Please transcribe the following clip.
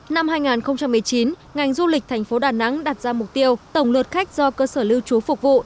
năm hai nghìn một mươi chín ngành du lịch thành phố đà nẵng đặt ra mục tiêu tổng lượt khách do cơ sở lưu trú phục vụ